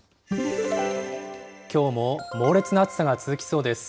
きょうも猛烈な暑さが続きそうです。